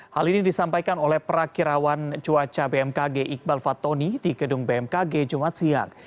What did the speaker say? hal ini disampaikan oleh perakirawan cuaca bmkg iqbal fatoni di gedung bmkg jumat siang